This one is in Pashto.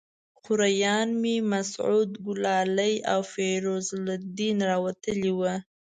خوریان مې مسعود ګلالي او فیروز الدین راوتلي ول.